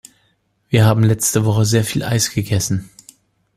Wir haben letzte Woche sehr viel Eis gegessen.